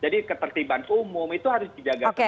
jadi ketertiban umum itu harus dijaga semuanya